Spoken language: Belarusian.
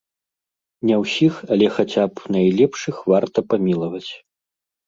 Не ўсіх, але хаця б найлепшых варта памілаваць.